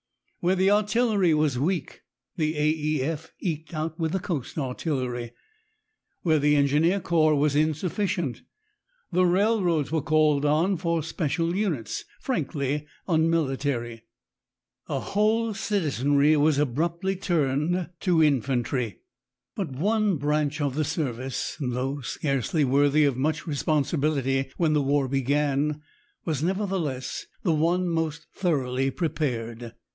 Where the artillery was weak, the A. E. F. eked out with the coast artillery. Where the engineer corps was insufficient, the railroads were called on for special units, frankly unmilitary. A whole citizenry was abruptly turned to infantry. But one branch of the service, though scarcely worthy of much responsibility when the war began, was, nevertheless, the one most thoroughly prepared.